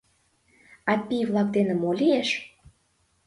— А пий-влак дене мо лиеш?